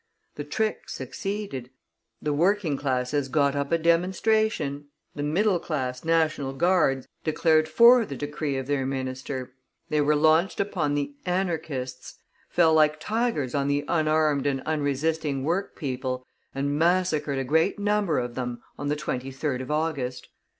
The trick succeeded; the working classes got up a demonstration; the middle class National Guards declared for the decree of their minister; they were launched upon the "Anarchists," fell like tigers on the unarmed and unresisting workpeople, and massacred a great number of them on the 23rd of August.